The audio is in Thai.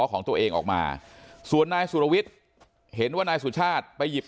ของตัวเองออกมาส่วนนายสุรวิทย์เห็นว่านายสุชาติไปหยิบ